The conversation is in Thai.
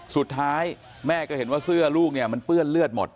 สุดท้ายแม่ก็เห็นว่าเสื้อลูกเนี่ยมันเปื้อนเลือดหมด